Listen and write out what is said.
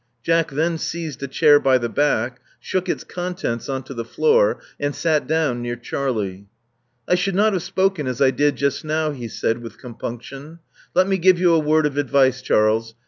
Jack then seized a chair by the back, shook its contents on to the floor, and sat down near Charlie. I should not have spoken as I did just now," he said, with compunction, *'Let me g^ve you a word of advice, Charles.